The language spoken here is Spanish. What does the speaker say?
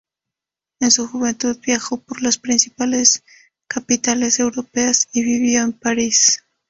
En su juventud viajó por las principales capitales europeas y vivió en París.